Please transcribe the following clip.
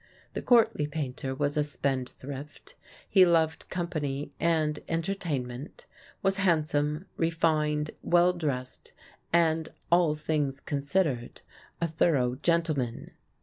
The courtly painter was a spendthrift. He loved company and entertainment, was handsome, refined, well dressed, and, all things considered, a thorough gentleman.